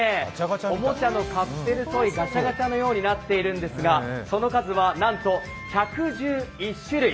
おもちゃのカプセルトイ、ガチャガチャのようになっているんですが、その数は、なんと１１１種類！